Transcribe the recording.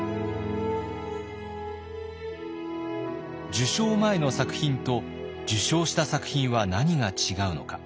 受賞前の作品と受賞した作品は何が違うのか。